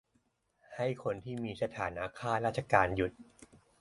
- ให้คนที่มีสถานะข้าราชการหยุด